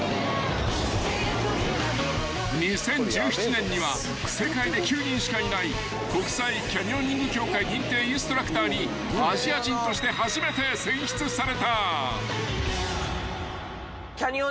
［２０１７年には世界で９人しかいない国際キャニオニング協会認定インストラクターにアジア人として初めて選出された］